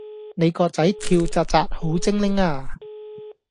你個仔跳紥紥好精靈呀